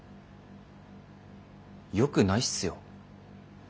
よくないすよ。